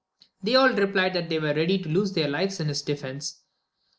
They all replied that they were ready to lose their lives in his defence.